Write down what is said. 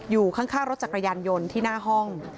อยู่ข้างรถจักรยานยนต์ที่หน้าห้อง